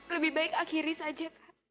lebih baik akhiri saja